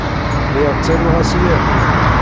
Lliɣ ttaruɣ-as i ɛemmi.